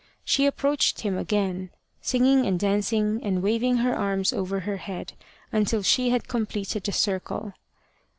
She approached him again, singing and dancing, and waving her arms over her head, until she had completed the circle.